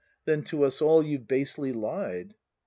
Then to us all you've basely lied.